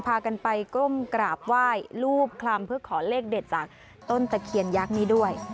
พากันไปก้มกราบไหว้รูปคลำเพื่อขอเลขเด็ดจากต้นตะเคียนยักษ์นี้ด้วย